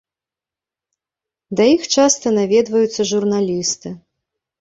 Да іх часта наведваюцца журналісты.